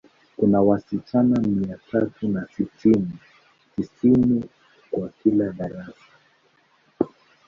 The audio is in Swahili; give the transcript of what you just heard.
Kuna wasichana mia tatu na sitini, tisini kwa kila darasa.